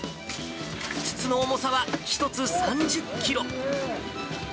筒の重さは１つ３０キロ。